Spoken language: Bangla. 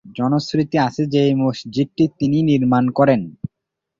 জনশ্রুতি আছে যে, এই মসজিদটি তিনিই নির্মাণ করেন।